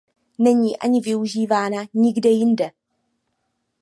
Není ani využívána nikde jinde.